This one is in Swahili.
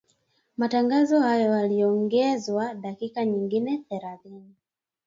Matangazo hayo yaliongezewa dakika nyingine thelathini